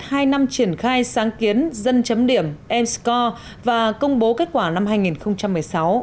sau hai năm triển khai sáng kiến dân chấm điểm m score và công bố kết quả năm hai nghìn một mươi sáu